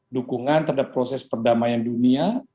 dukungan terhadap proses perdamaian dunia